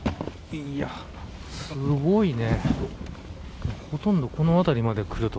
いや、すごいね。